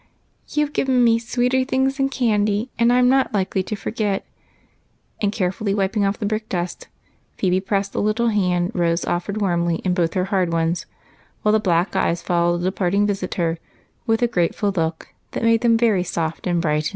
" You 've given me sweeter things than candy, and I 'm not likely to forget it." And carefully wiping off the brick dust, Phebe pressed the little hand Rose offered warmly in both her hard ones, while the black eyes followed the departing visitor with a grateful look that made them very soft and bright.